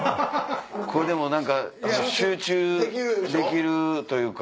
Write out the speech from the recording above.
でも何か集中できるというか。